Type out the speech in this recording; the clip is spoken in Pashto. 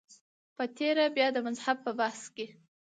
په تېره بیا د مذهب په بحث کې.